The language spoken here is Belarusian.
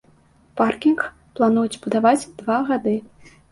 Паркінг плануюць будаваць два гады.